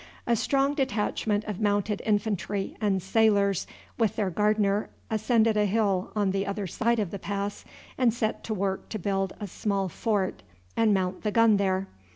A strong detachment of Mounted Infantry and sailors with their Gardner ascended a hill on the other side of the pass and set to work to build a small fort and mount the gun there.